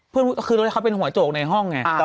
ก็ทิ้งเลยชอบเป็นหัวโจรกในห้องไง